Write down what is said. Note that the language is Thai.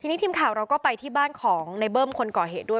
ทีนี้ทีมข่าวเราก็ไปที่บ้านของในเบิ้มคนก่อเหตุด้วย